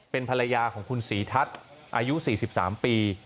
เป็นภรรยาของคุณศรีทัศน์อายุ๔๓ปี